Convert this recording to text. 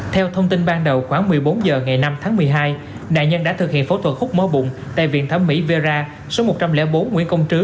theo thông tin ban đầu khoảng một mươi bốn h ngày năm tháng một mươi hai nạn nhân đã thực hiện phẫu thuật khúc mớ bụng tại viện thẩm mỹ vera số một trăm linh bốn nguyễn công trứ